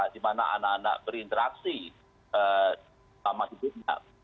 dimana anak anak berinteraksi sama hidupnya